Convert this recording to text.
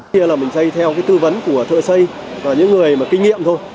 tại đây là mình xây theo cái tư vấn của thợ xây và những người mà kinh nghiệm thôi